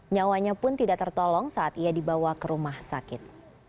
nyawanya pun tidak tertolong saat ia dibawa ke rumah sakit